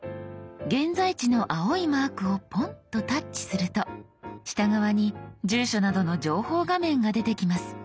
現在地の青いマークをポンとタッチすると下側に住所などの情報画面が出てきます。